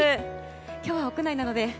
今日は屋内なので。